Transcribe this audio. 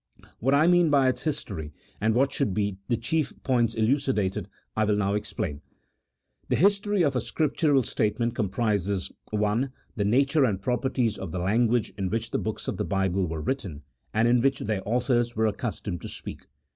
What I mean by its history, and what should be the chief points elucidated, I will now explain. The history of a Scriptural statement comprises — I. The nature and properties of the language in which the books of the Bible were written, and in which their authors were accustomed to speak.